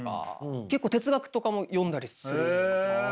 結構哲学とかも読んだりするんですよね。